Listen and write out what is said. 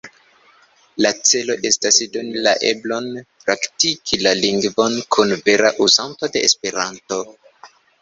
La celo estas doni la eblon praktiki la lingvon kun vera uzanto de Esperanto.